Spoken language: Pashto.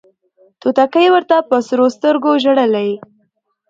توتکۍ ورته په سرو سترګو ژړله